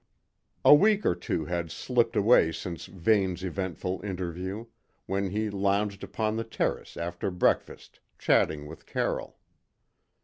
A week or two had slipped away since Vane's eventful interview, when he lounged upon the terrace after breakfast chatting with Carroll.